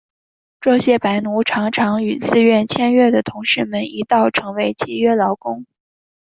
这些白奴常常与自愿签约的同事们一道成为契约劳工。